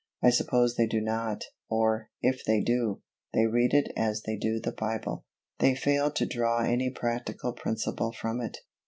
I suppose they do not, or, if they do, they read it as they do the Bible they fail to draw any practical principle from it.